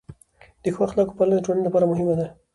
د ښو اخلاقو پالنه د ټولنې لپاره مهمه ده.